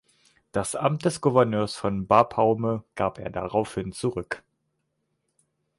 Das Amt des Gouverneurs von Bapaume gab er daraufhin zurück.